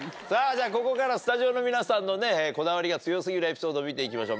ここからはスタジオの皆さんのこだわりが強過ぎるエピソード見ていきましょう